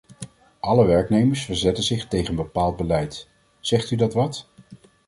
Alle werknemers verzetten zich tegen een bepaald beleid: zegt u dat wat?